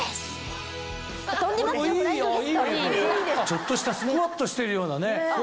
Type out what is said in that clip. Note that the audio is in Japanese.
ちょっとしたスクワットしてるようなね。